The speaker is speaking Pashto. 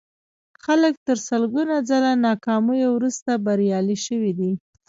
خلک تر سلګونه ځله ناکاميو وروسته بريالي شوي دي.